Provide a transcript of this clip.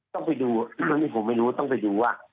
ต้องไปดูเรื่องนี้ผมไม่รู้ต้องไปดูว่า